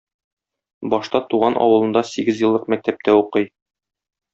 Башта туган авылында сигезьеллык мәктәптә укый.